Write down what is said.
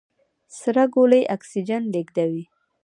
سره ګولۍ اکسیجن لېږدوي.